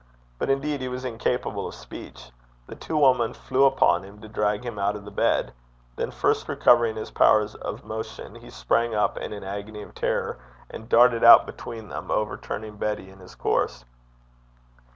But, indeed, he was incapable of speech. The two women flew upon him to drag him out of bed. Then first recovering his powers of motion, he sprung up in an agony of terror, and darted out between them, overturning Betty in his course.